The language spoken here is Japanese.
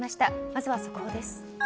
まずは速報です。